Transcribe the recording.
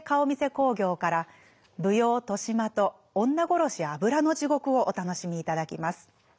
興行から舞踊「年増」と「女殺油地獄」をお楽しみいただきます。